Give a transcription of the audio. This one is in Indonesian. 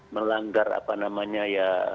melanggar apa namanya ya